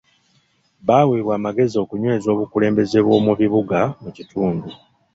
Baaweebwa amagezi okunyweza obukulembeze bw'omu bibuga mu kitundu.